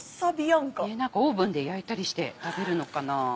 何かオーブンで焼いたりして食べるのかなぁ？